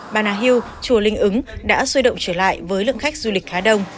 bà nà hiêu chùa linh ứng đã xuôi động trở lại với lượng khách du lịch khá đông